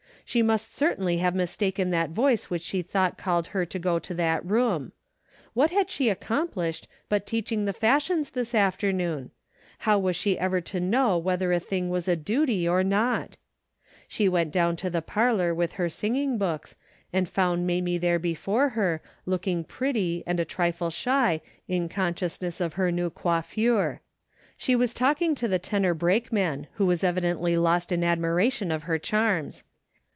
She must certainly have mistaken that voice which she thought called her to go to that room. AVhat had she accomplished but teaching the fashions this afternoon ? How was she ever to know whether a thing was a duty or not ? She went down to the parlor with her singing books, and found Mamie there before her looking pretty and a trifle shy in consciousness of her new coiffure. She was talking to the tenor brakeman who was evi dently lost in admiration of her charms.